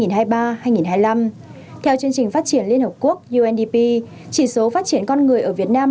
theo chương trình phát triển liên hợp quốc undp chỉ số phát triển con người ở việt nam